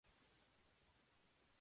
Afecta por igual a los dos sexos.